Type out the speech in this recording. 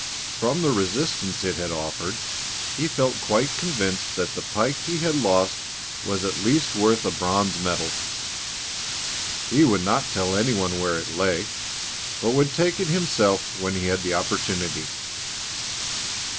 From the resistance it had offered he felt quite convinced that the pike he had lost was at least worth a bronze medal. He would not tell anyone where it lay, but would take it himself when he had the opportunity.